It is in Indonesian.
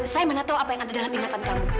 saya mana tahu apa yang ada dalam ingatan kamu